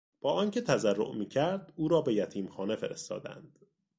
با آنکه تضرع میکرد او را به یتیم خانه فرستادند.